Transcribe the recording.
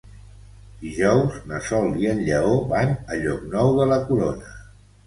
Dijous na Sol i en Lleó van a Llocnou de la Corona.